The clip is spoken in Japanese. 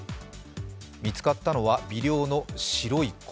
見つかったのは微量の白い粉。